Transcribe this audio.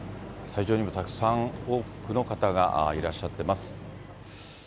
斎場にもたくさん多くの方がいらっしゃってます。